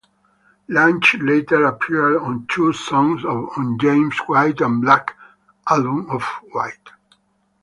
Lunch later appeared on two songs on "James White and the Blacks" album, "Off-White".